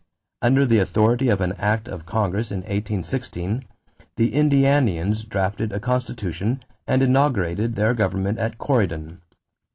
Under the authority of an act of Congress in 1816 the Indianians drafted a constitution and inaugurated their government at Corydon.